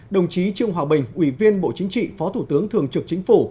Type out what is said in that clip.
đồng chí trương hòa bình ủy viên bộ chính trị phó thủ tướng thường trực chính phủ